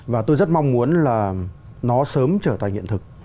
và tôi rất mong muốn là nó sớm trở thành hiện thực